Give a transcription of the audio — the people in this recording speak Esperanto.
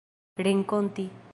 renkonti